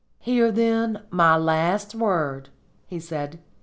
"Hear, then, my last word," he said.